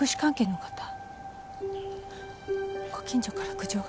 あっご近所から苦情が？